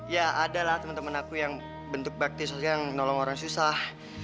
ya ada lah temen temen aku yang bentuk bakti sosial yang nolong orang susah